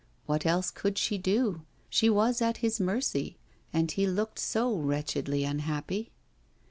What else could she do? She was at his mercy, and he looked so wretchedly unhappy.